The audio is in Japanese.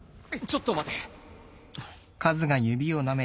ちょっと待て。